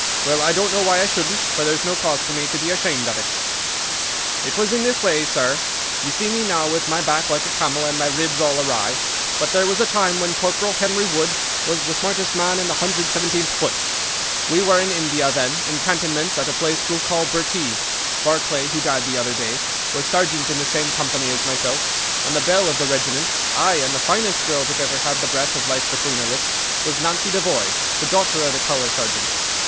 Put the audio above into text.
Well, I don't know why I shouldn't, for there's no cause for me to be ashamed of it. "It was in this way, sir. You see me now with my back like a camel and my ribs all awry, but there was a time when Corporal Henry Wood was the smartest man in the 117th Foot. We were in India then, in cantonments, at a place we'll call Bhurtee. Barclay, who died the other day, was sergeant in the same company as myself, and the belle of the regiment, ay, and the finest girl that ever had the breath of life between her lips, was Nancy Devoy, the daughter of the colour sergeant.